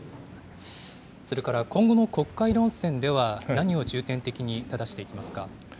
それから今後の国会論戦では、何を重点的にただしていきますか。